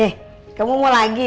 eh kamu mau lagi